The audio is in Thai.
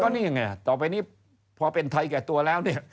นี่ไงต่อไปนี้พอเป็นไทยแก่ตัวแล้วเนี่ย